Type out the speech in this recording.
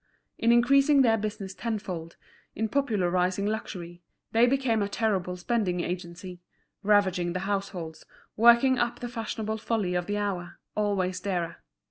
In increasing their business tenfold, in popularizing luxury, they became a terrible spending agency, ravaging the households, working up the fashionable folly of the hour, always dearer.